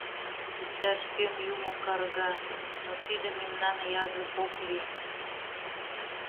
Иктаж-кӧм юмо карга, но тиде мемнан язык ок лий.